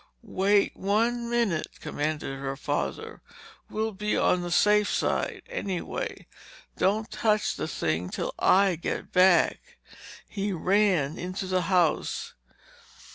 "Wait one minute," commanded her father. "We'll be on the safe side, anyway. Don't touch the thing till I come back." He ran into the house.